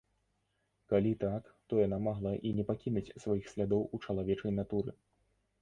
Калі так, то яна магла і не пакінуць сваіх слядоў у чалавечай натуры.